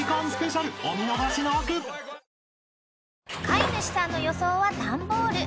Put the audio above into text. ［飼い主さんの予想はダンボール］